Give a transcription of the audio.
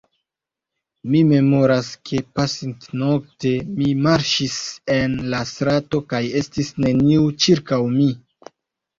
Mi memoras, ke pasintnokte mi marŝis en la strato kaj estis neniu ĉirkaŭ mi.